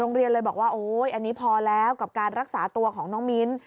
โรงเรียนเลยบอกว่าโอ๊ยอันนี้พอแล้วกับการรักษาตัวของน้องมิ้น